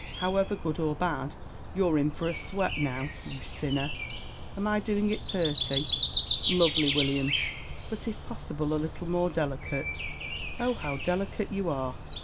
However, good or bad, you're in for a sweat now, you sinner. Am I doin' it purty?" "Lovely, William but, if possible, a little more delicate." "Oh, how delicate you are!